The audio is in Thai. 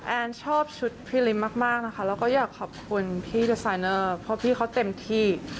แอนชอบชุดพรีลิมมากนะคะแล้วก็อยากขอบคุณพี่เดอร์ไซเนอร์เพราะพี่เขาเต็มที่